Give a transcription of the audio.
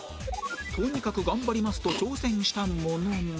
とにかく頑張りますと挑戦したものの